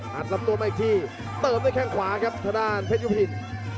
ลำตัวมาอีกทีเติมด้วยแข้งขวาครับทางด้านเพชรยุพิน